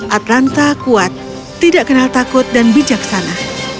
atlanta kuat tidak kenal takut dan bijaksana